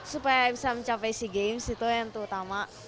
supaya bisa mencapai sea games itu yang terutama